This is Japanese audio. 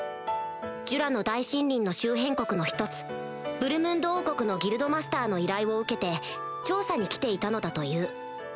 ジュラの大森林の周辺国の１つブルムンド王国のギルドマスターの依頼を受けて調査に来ていたのだという